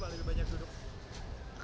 lebih banyak duduk